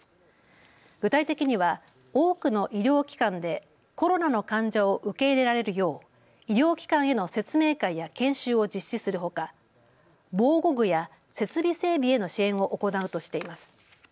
具体的には多くの医療機関でコロナの患者を受け入れられるよう医療機関への説明会や研修を実施するほか防護具や設備整備への支援を行うとしています。